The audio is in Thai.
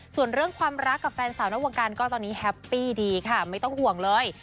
ส่วนเรื่องความรักกับแฟนสาวนอกวงการก็ตอนนี้แฮปปี้ดีค่ะไม่ต้องห่วงเลย